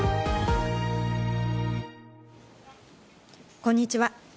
こんにちは。